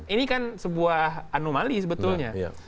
ini kan sebuah anomali sebetulnya